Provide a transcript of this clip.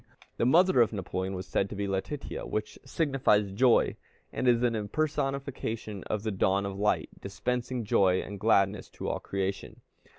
The mother of Napoleon was said to be Letitia, which signifies joy, and is an impersonification of the dawn of light dispensing joy and gladness to all creation.